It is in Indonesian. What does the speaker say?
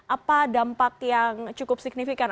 apa dampak yang cukup signifikan